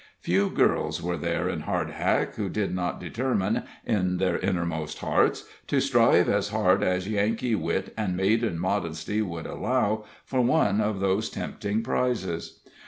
Few girls were there in Hardhack who did not determine, in their innermost hearts, to strive as hard as Yankee wit and maiden modesty would allow for one of those tempting prizes.